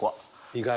意外。